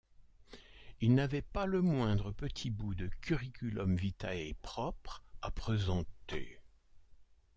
Il n’avait pas le moindre petit bout de curriculum vitæ « propre » à présenter.